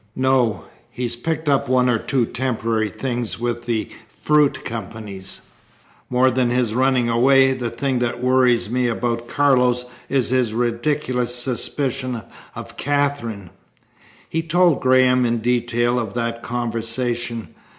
"No. He's picked up one or two temporary things with the fruit companies. More than his running away, the thing that worries me about Carlos is his ridiculous suspicion of Katherine." He told Graham in detail of that conversation.